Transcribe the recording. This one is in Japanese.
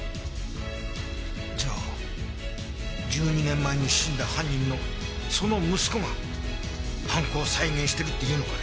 じゃあ１２年前に死んだ犯人のその息子が犯行を再現してるって言うのかね？